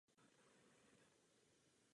Opět musel zasahovat francouzský král.